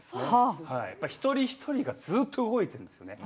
一人一人がずっと動いているんですよね。